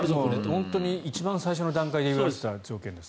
本当に一番最初の段階で言われていた条件ですね。